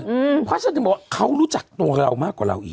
ไปหมดเลยอืมเพราะฉะนั้นบอกเขารู้จักตัวเรามากกว่าเราอีก